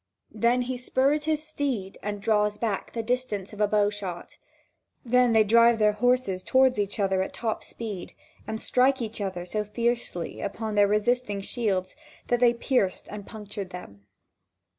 Then he spurs his steed and draws back the distance of a bow shot. Then they drive their horses toward each other at top speed, and strike each other so fiercely upon their resisting shields that they pierced and punctured them.